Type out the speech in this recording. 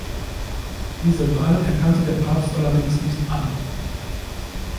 Diese Wahl erkannte der Papst allerdings nicht an.